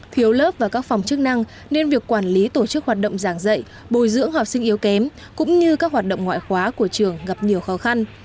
thiếu lớp và các phòng chức năng nên việc quản lý tổ chức hoạt động giảng dạy bồi dưỡng học sinh yếu kém cũng như các hoạt động ngoại khóa của trường gặp nhiều khó khăn